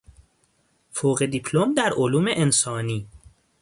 فوق دیپلم در علوم انسانی